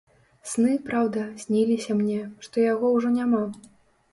Сны, праўда, сніліся мне, што яго ўжо няма.